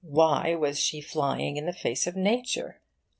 why was she flying in the face of Nature?